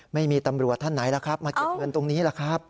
ไม่มีตำรวจท่านไหนล่ะครับมาเก็บเงินตรงนี้แหละครับ